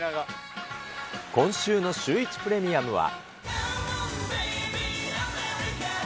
今週のシューイチプレミアムは。